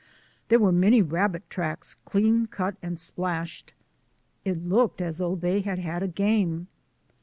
There were many rabbit tracks clean cut and splashed. It looked as though they had had a game.